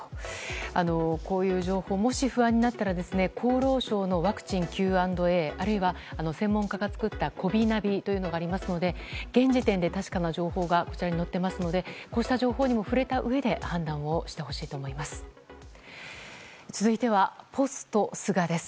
こういう情報もし不安になったら厚労省のワクチンＱ＆Ａあるいは、専門家が作ったこびナビというのがありますので現時点で確かな情報がこちらに載っていますのでこうした情報にも触れたうえで判断をしてほしいと思います。